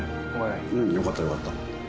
うんよかったよかった。